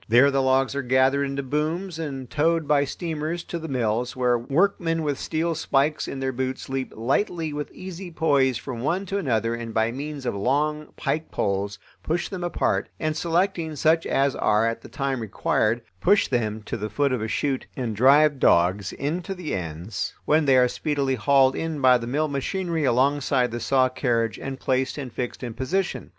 There the logs are gathered into booms and towed by steamers to the mills, where workmen with steel spikes in their boots leap lightly with easy poise from one to another and by means of long pike poles push them apart and, selecting such as are at the time required, push them to the foot of a chute and drive dogs into the ends, when they are speedily hauled in by the mill machinery alongside the saw carriage and placed and fixed in position.